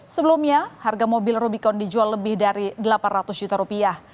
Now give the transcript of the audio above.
sebelumnya harga mobil rubicon dijual lebih dari delapan ratus juta rupiah